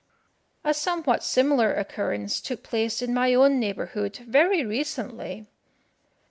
A somewhat similar occurrence took place in my own neighbourhood, very recently.